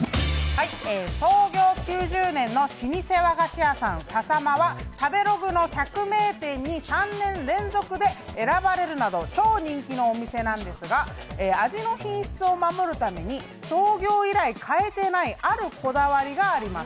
創業９０年のささまさん食べログ百名店に３年連続で選ばれるほど超人気のお店なんですが、味の品質を守るために創業以来変えていないあるこだわりがあります。